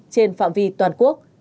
trên phạm vi toàn quốc